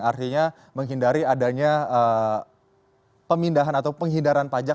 artinya menghindari adanya pemindahan atau penghindaran pajak